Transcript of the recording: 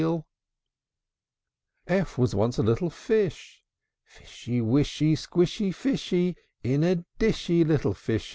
F f F was once a little fish, Fishy, Wishy, Squishy, Fishy, In a dishy, Little fish!